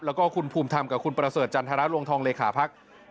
แล้วก็คุณภูมิธรรมกับคุณประเสริฐจันทรลวงทองเลขาพัก